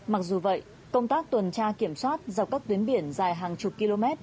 mặc dù vậy công tác tuần tra kiểm soát dọc các tuyến biển dài hàng chục km